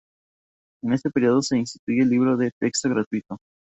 En este periodo se instituye el Libro de Texto Gratuito.